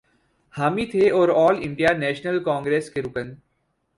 حامی تھے اور آل انڈیا نیشنل کانگریس کے رکن